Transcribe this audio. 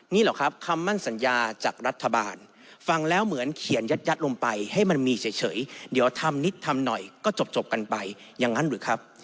นี่เหรอครับคำมั่นสัญญาจากรัฐบาลฟังแล้วเหมือนเขียนยัดลงไปให้มันมีเฉยเดี๋ยวทำนิดทำหน่อยก็จบกันไปอย่างนั้นหรือครับ